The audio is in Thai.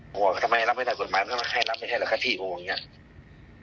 บอกว่าทำไมรับไม่ได้กฎหมายทำไมให้รับไม่ได้แล้วข้าพี่ผมว่าอย่างเงี้ย